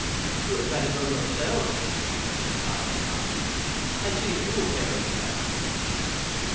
'You had better go yourselves,' was all the reply they got, 'and see if you will fare any better.